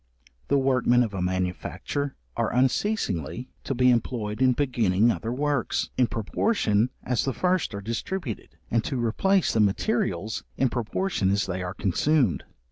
The workmen of a manufacture are unceasingly to be employed in beginning other works, in proportion as the first are distributed, and to replace the materials in proportion as they are consumed.